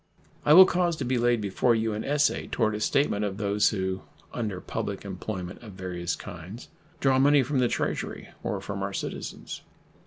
I will cause to be laid before you an essay toward a statement of those who, under public employment of various kinds, draw money from the Treasury or from our citizens.